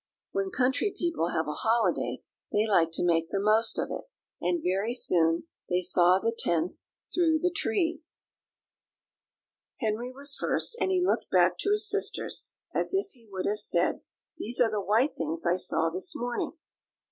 When country people have a holiday, they like to make the most of it; and very soon they saw the tents through the trees. Henry was first, and he looked back to his sisters as if he would have said, "These are the white things I saw this morning."